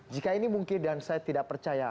jika ini mungkin dan saya tidak percaya